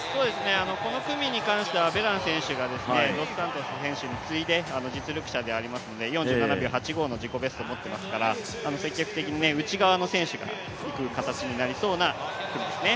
この組に関してはベラン選手がドスサントス選手に次いで実力者でありますので、４７秒８５の自己ベストを持ってますから積極的に内側の選手がいく形になりそうですね。